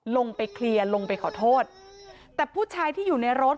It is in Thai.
ลงไปเคลียร์ลงไปขอโทษแต่ผู้ชายที่อยู่ในรถ